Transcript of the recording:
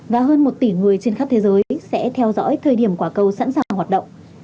và hơn một tỷ người trên khắp thế giới sẽ theo dõi thời điểm quả cầu sẵn sàng hoạt động